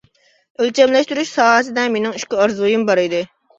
ئۆلچەملەشتۈرۈش ساھەسىدە مېنىڭ ئىككى ئارزۇيۇم بار ئىدى.